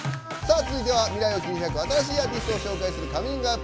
続いては、未来を切り開く新しいアーティストを紹介する「ＣｏｍｉｎｇＵｐ！」。